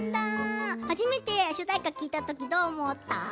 初めて主題歌を聴いたとき、どう思った？